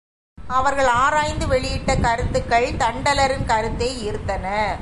அவர்கள் ஆராய்ந்து வெளியிட்ட கருத்துக்கள் தண்டலரின் கருத்தை ஈர்த்தன.